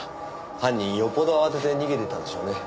犯人よっぽど慌てて逃げていったんでしょうね。